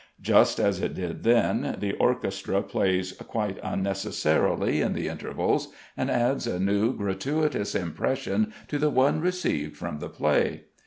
Just as it did then, the orchestra plays quite unnecessarily in the intervals, and adds a new, gratuitous impression to the one received from the play.